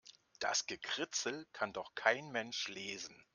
Das Gekritzel kann doch kein Mensch lesen.